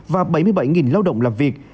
và bảy mươi bảy lao động làm việc